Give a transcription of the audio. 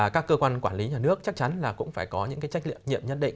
các cơ quan quản lý nhà nước chắc chắn là cũng phải có những cái trách nhiệm nhiệm nhất định